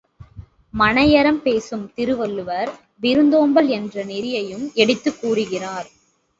மனையறம் பேசும் திருவள்ளுவர் விருந்தோம்பல் என்ற நெறியையும் எடுத்துக் கூறுகிறார்.